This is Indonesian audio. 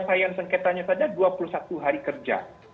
pakaian sengketanya saja dua puluh satu hari kerja